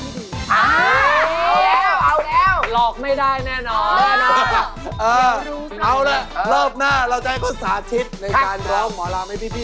เดี๋ยวรอบหน้าเนี่ยมิ้วจะให้๓คนนี้สาธิตร้องหมอลำให้ดู